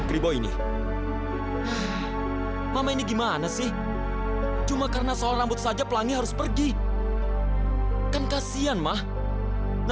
sudah lama pokoknya kita harus cari pelangi sekarang